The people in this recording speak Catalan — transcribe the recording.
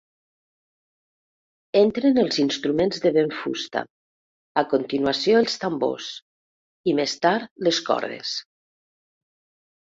Entren els instruments de vent-fusta, a continuació, els tambors i més tard les cordes.